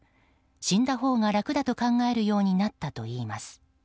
死んだほうが楽だと考えるようになったといいます。